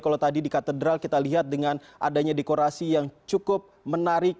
kalau tadi di katedral kita lihat dengan adanya dekorasi yang cukup menarik